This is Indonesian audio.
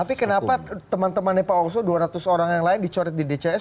tapi kenapa teman temannya pak oso dua ratus orang yang lain dicoret di dcs